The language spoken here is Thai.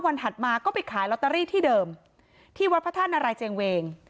ถัดมาก็ไปขายลอตเตอรี่ที่เดิมที่วัดพระธาตุนารายเจงเวง